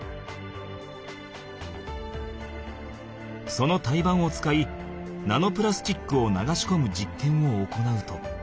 その胎盤を使いナノプラスチックを流しこむじっけんを行うと。